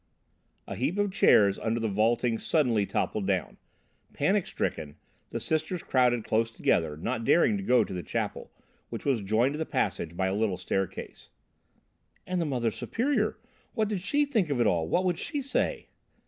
A heap of chairs under the vaulting suddenly toppled down. Panic stricken, the sisters crowded closed together, not daring to go to the chapel, which was joined to the passage by a little staircase. "And the Mother Superior, what did she think of it all what would she say?"